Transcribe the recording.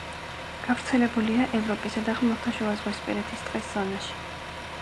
გავრცელებულია ევროპისა და ხმელთაშუაზღვისპირეთის ტყის ზონაში.